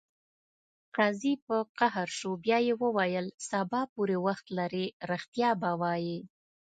قاضي په قهر شو بیا یې وویل: سبا پورې وخت لرې ریښتیا به وایې.